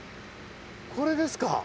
これですか。